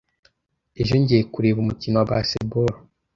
Ejo ngiye kureba umukino wa baseball.